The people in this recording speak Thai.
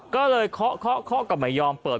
ก็เลยเคาะเคาะก็ไม่ยอมเปิด